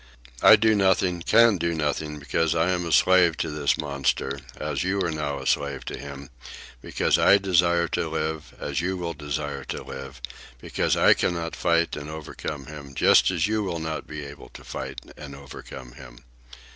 I do nothing, can do nothing, because I am a slave to this monster, as you are now a slave to him; because I desire to live, as you will desire to live; because I cannot fight and overcome him, just as you will not be able to fight and overcome him."